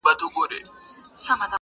چي شرمېږي له سرونو بګړۍ ورو ورو!!